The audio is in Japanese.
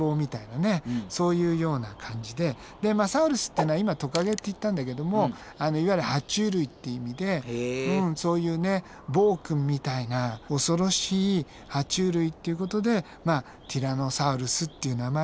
そういうような感じでサウルスっていうのは今トカゲって言ったんだけどもいわゆるは虫類って意味でそういうね暴君みたいな恐ろしいは虫類っていうことでまあティラノサウルスっていう名前がね